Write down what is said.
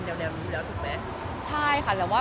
เอาเรื่องต่อไป